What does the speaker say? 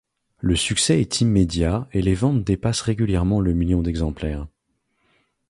Le succès est immédiat et les ventes dépassent régulièrement le million d'exemplaires.